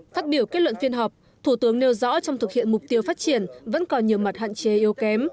phát biểu kết luận phiên họp thủ tướng nêu rõ trong thực hiện mục tiêu phát triển vẫn còn nhiều mặt hạn chế yếu kém